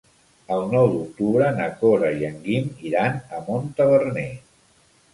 El nou d'octubre na Cora i en Guim iran a Montaverner.